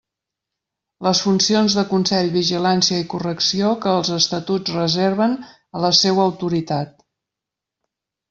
Les funcions de consell, vigilància i correcció que els Estatuts reserven a la seua autoritat.